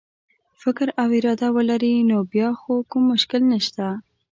فکر او اراده ولري نو بیا خو کوم مشکل نشته.